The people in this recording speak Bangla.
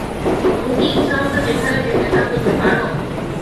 তুমি কি ইচ্ছামতো যেখানে যেতে চাও যেতে পার?